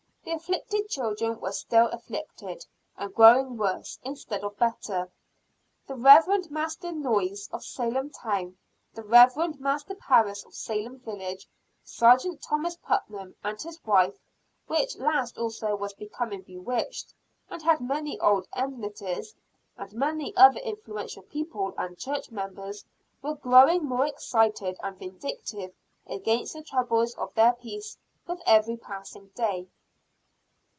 The "afflicted children" were still afflicted, and growing worse, instead of better. The Rev. Master Noyes of Salem town, the Rev. Master Parris of Salem village, Sergeant Thomas Putnam, and his wife, which last also was becoming bewitched, and had many old enmities and many other influential people and church members, were growing more excited, and vindictive against the troubles of their peace, with every passing day.